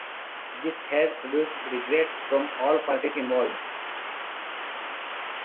This has produced regrets from all parties involved.